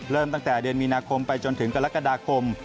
ตั้งแต่เดือนมีนาคมไปจนถึงกรกฎาคม